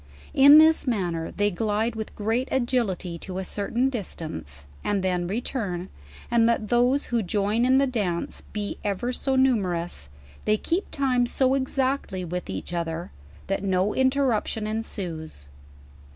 In this manner they glide with great agility to a certain distance, and then return: and let those who join in the d:m:e be ever so numerous, they keep time so exactly with each other, that no interruption ensues.